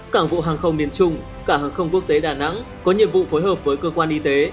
cảng vụ hàng không miền trung cảng hàng không quốc tế đà nẵng có nhiệm vụ phối hợp với cơ quan y tế